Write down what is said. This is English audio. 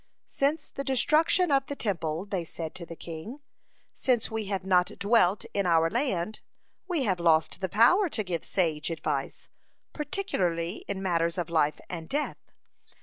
"Since the destruction of the Temple," they said to the king, "since we have not dwelt in our land, we have lost the power to give sage advice, particularly in matters of life and death.